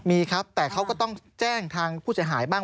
มีครับแต่เขาก็ต้องแจ้งทางผู้เสียหายบ้าง